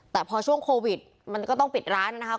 แต่พอช่วงโควิดมันก็ต้องปิดร้านนะครับ